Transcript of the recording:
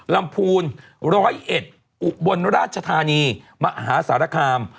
ลำพูน๑๐๑อุบลราชธานีมหาสารคาม